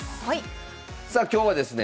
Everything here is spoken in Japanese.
さあ今日はですね